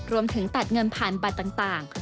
รวมถึงตัดเงินผ่านบัตรต่าง